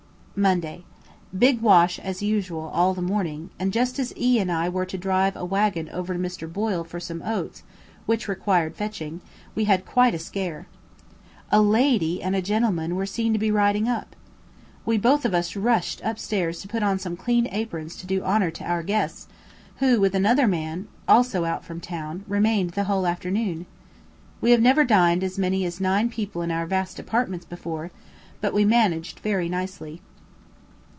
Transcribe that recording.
Monday. Big wash as usual all the morning, and just as E and I were to drive a waggon over to Mr. Boyle for some oats which required fetching, we had quite a scare. A lady and gentleman were seen to be riding up. We both of us rushed up stairs to put on some clean aprons to do honour to our guests, who, with another man, also out from town, remained the whole afternoon. We have never dined as many as nine people in our vast apartments before, but we managed very nicely.